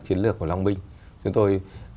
chiến lược của long minh chúng tôi